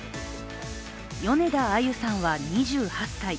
米田あゆさんは２８歳。